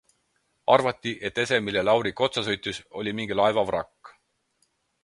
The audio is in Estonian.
Arvati, et ese, millele aurik otsa sõitis, oli mingi laeva vrakk.